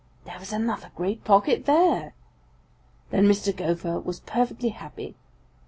"There was another great pocket there! Then Mr. Gopher was perfectly happy.